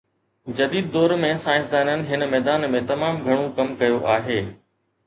جديد دور ۾ سائنسدانن هن ميدان ۾ تمام گهڻو ڪم ڪيو آهي